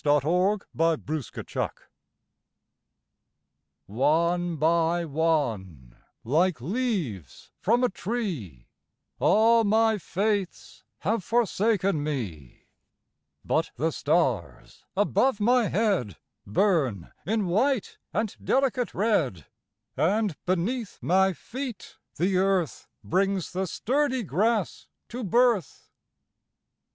Leaves By Sara Teasdale ONE by one, like leaves from a tree, All my faiths have forsaken me; But the stars above my headBurn in white and delicate red, And beneath my feet the earthBrings the sturdy grass to birth.